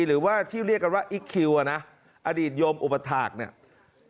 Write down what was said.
หรือว่าที่เรียกกันว่าอิ๊กคิวอ่ะนะอดีตโยมอุปถาคเนี่ย